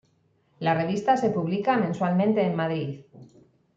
La revista se publica mensualmente en Madrid.